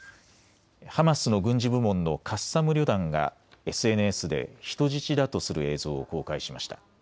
ハマスの軍事部門のカッサム旅団がＳＮＳで人質だとする映像を公開しました。